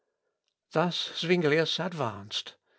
" Thus Zuinglius advanced.